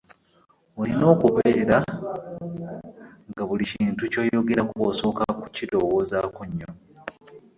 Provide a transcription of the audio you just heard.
Olina oubeera nga buli kintu ky'oyogerako osooka kukirowoozaako nnyo.